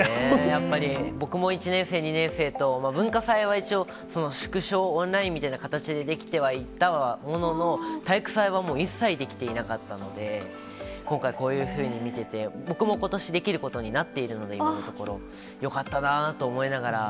やっぱり、僕も１年生、２年生と、文化祭は一応、縮小、オンラインみたいな形でできてはいたものの、体育祭は一切できていなかったので、今回、こういうふうに見てて、僕もことしできることになっているので、今のところ、よかったなと思いながら。